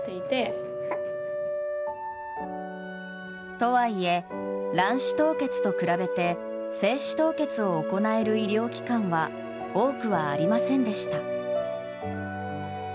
とはいえ、卵子凍結と比べて精子凍結を行える医療機関は多くはありませんでした。